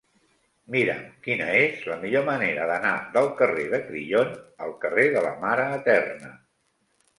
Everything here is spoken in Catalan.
Mira'm quina és la millor manera d'anar del carrer de Crillon al carrer de la Mare Eterna.